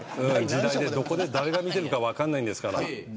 どこで誰が見ているか分からないですから。